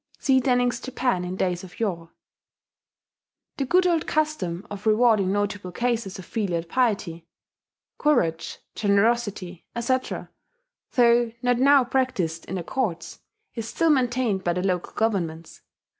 (See Dening's Japan in Days of Yore.) The good old custom of rewarding notable cases of filial piety, courage, generosity, etc., though not now practised in the courts, is still maintained by the local governments.